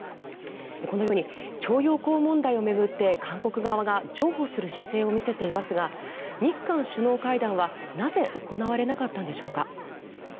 このように徴用工問題を巡って韓国側が譲歩する姿勢を見せていますが日韓首脳会談はなぜ行われなかったんでしょうか。